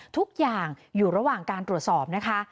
ทุกอย่างอยู่ระหว่างการตรวจสอบนะคะ